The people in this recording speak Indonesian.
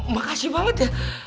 makasih banget ya